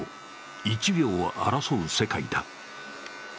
１秒を争う世界だ。